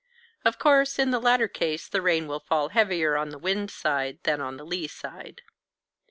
Of course, in the latter case the rain will fall heavier on the wind side than on the lee side.